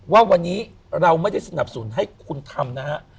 ว่าวันนี้เราไม่ได้สนับสนุนให้คุณทำนะฮะ